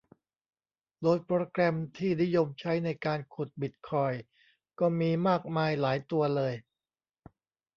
โดยโปรแกรมที่นิยมใช้ในการขุดบิตคอยน์ก็มีมากมายหลายตัวเลย